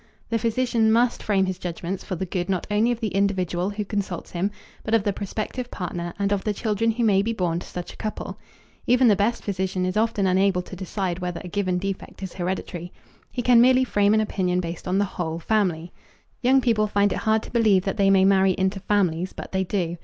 The physician must frame his judgments for the good not only of the individual who consults him, but of the prospective partner, and of the children who may be born to such a couple. Even the best physician is often unable to decide whether a given defect is hereditary. He can merely frame an opinion based on the whole family. Young people find it hard to believe that they marry into families, but they do.